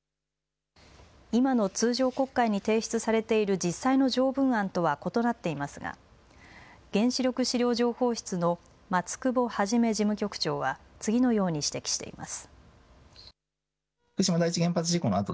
今の通常国会に提出されている実際の条文案とは異なっていますが原子力資料情報室の松久保肇事務局長は次のように指摘しています。